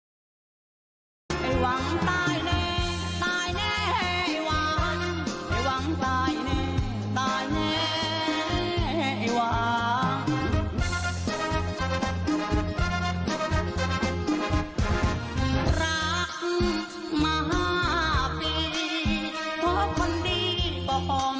พวกเขาก็คงทำกำลังที่นี่เราไม่เหลือกลาลังการจริงกัน